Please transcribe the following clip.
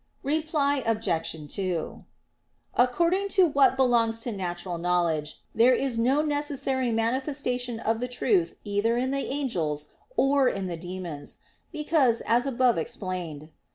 Reply Obj. 2: According to what belongs to natural knowledge, there is no necessary manifestation of the truth either in the angels, or in the demons, because, as above explained (Q.